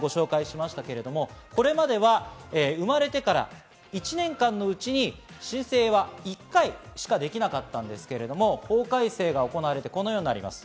これまでは生まれてから１年間のうちに申請は１回しかできなかったんですけれども、法改正が行われて、このようになります。